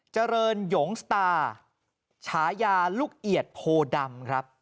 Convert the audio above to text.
เจริญหยงสตาฉายาลูกเอียดโพดำครับ